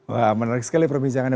wah menarik sekali perbincangan